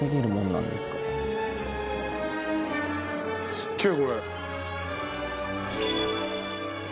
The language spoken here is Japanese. すっげぇこれ。